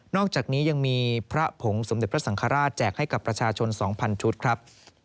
อกจากนี้ยังมีพระผงสมเด็จพระสังฆราชแจกให้กับประชาชน๒๐๐ชุดครับ